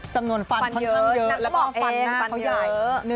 จำนวนฟันเท่านั้นเยอะแล้วก็ฟันหน้าเขาใหญ่